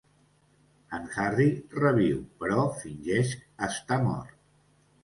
En Harry reviu, però fingeix estar mort.